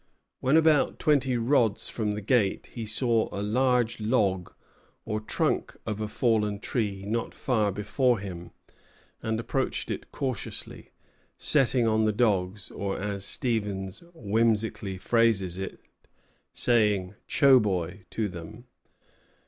When about twenty rods from the gate, he saw a large log, or trunk of a fallen tree, not far before him, and approached it cautiously, setting on the dogs, or, as Stevens whimsically phrases it, "saying Choboy!" to them.